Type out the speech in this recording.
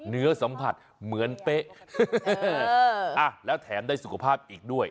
เนื้อสัมผัสเหมือนเป๊ะแล้วแถมได้สุขภาพอีกด้วย